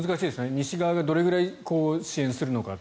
西側がどれくらい支援するのか。